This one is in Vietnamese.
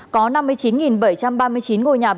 có năm mươi chín bảy trăm ba mươi chín ngôi nhà bị